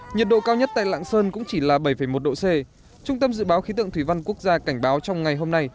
nhiệt độ cao nhất tại lạng sơn cũng chỉ là bảy một độ c trung tâm dự báo khí tượng thủy văn quốc gia cảnh báo trong ngày hôm nay